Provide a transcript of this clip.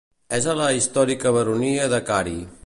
És a la històrica baronia de Cary.